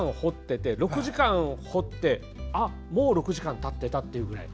６時間彫ってもう６時間たってたっていうくらい。